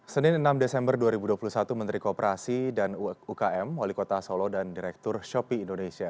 senin enam desember dua ribu dua puluh satu menteri kooperasi dan ukm wali kota solo dan direktur shopee indonesia